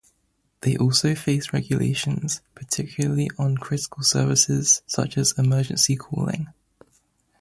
They also face regulations, particularly on critical services such as emergency calling.